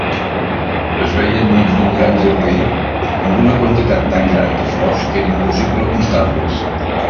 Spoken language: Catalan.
Es veia enmig d'un gran jardí amb una quantitat tan gran de flors que era impossible comptar-les.